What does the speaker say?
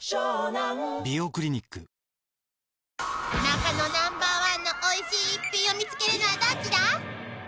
［中野Ｎｏ．１のおいしい逸品を見つけるのはどっちだ？］